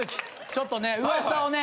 ちょっとね噂をね